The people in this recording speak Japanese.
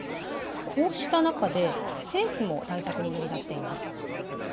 こうした中で、政府も対策に乗り出しています。